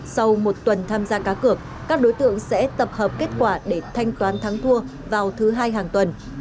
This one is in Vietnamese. sau một tuần tham gia cá cược các đối tượng sẽ tập hợp kết quả để thanh toán thắng thua vào thứ hai hàng tuần